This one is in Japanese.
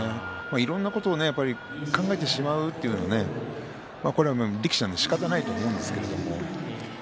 いろんなことを考えてしまうそれは力士は、しかたがないと思うんですけれども。